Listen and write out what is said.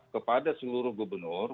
kepada seluruh gubernur